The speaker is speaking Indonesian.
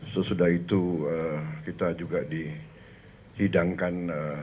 sesudah itu kita juga dihidangkan